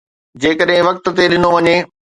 جيڪڏهن وقت تي ڏٺو وڃي